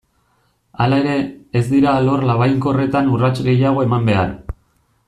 Hala ere, ez dira alor labainkorretan urrats gehiago eman behar.